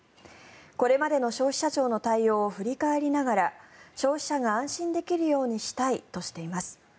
これまでの消費者庁の対応を振り返りながら消費者が安心できるようにしたいとしています。